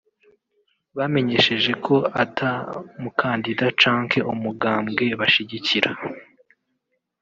Bamenyesheje ko ata mukandida canke umugambwe bashigikira